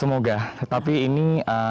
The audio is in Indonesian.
semoga tapi ini